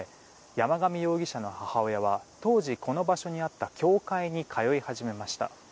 山上容疑者の母親は当時この場所にあった教会に通い始めました。